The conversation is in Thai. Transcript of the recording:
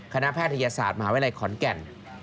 แพทยศาสตร์มหาวิทยาลัยขอนแก่น